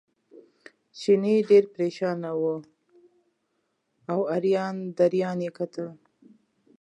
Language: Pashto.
چیني ډېر پرېشانه و او اریان دریان یې کتل.